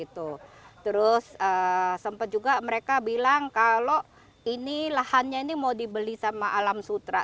terus sempat juga mereka bilang kalau ini lahannya ini mau dibeli sama alam sutra